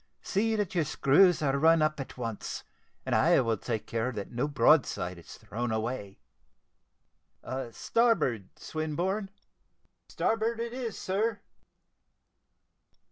See that your screws are run up at once, and I will take care that no broadside is thrown away. Starboard, Swinburne." "Starboard it is, sir."